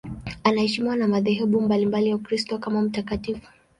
Anaheshimiwa na madhehebu mbalimbali ya Ukristo kama mtakatifu.